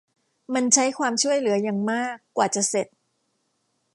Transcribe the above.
มันใช้ความช่วยเหลืออย่างมากกว่าจะเสร็จ